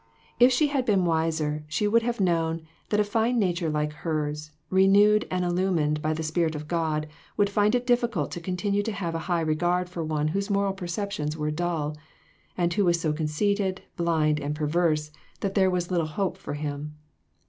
If she had been wiser, she would have known that a fine nature like hers, renewed and illumined by the spirit of God, would find it difficult to con tinue to have a high regard for one whose moral perceptions were dull, and who was so conceited, blind and perverse that there was little hope for him.